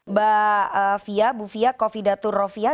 mbak fia bu fia kofi datur rovia